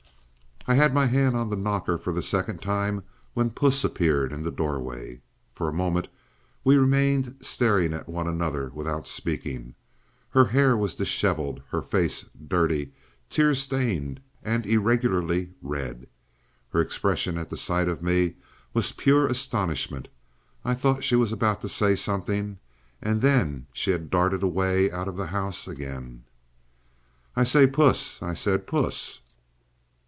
I had my hand on the knocker for the second time, when Puss appeared in the doorway. For a moment we remained staring at one another without speaking. Her hair was disheveled, her face dirty, tear stained, and irregularly red. Her expression at the sight of me was pure astonishment. I thought she was about to say something, and then she had darted away out of the house again. "I say, Puss!" I said. "Puss!"